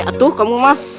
aduh kamu mah